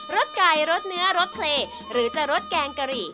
สไก่รสเนื้อรสเพลย์หรือจะรสแกงกะหรี่